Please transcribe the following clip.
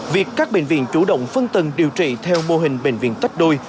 việc các bệnh viện chủ động phân tầng điều trị theo mô hình bệnh viện tách đôi